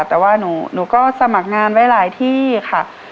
แต่ว่าหนูก็สมัครงานไว้หลายที่ค่ะ